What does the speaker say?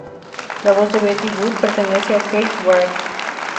La voz de Betty Boop pertenece a Kate Wright.